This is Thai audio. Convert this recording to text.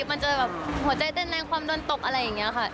มันจะแบบหัวใจเต้นแรงความโดนตกอะไรอย่างนี้ค่ะ